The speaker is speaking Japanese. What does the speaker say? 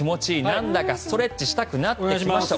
なんだかストレッチしたくなってきました。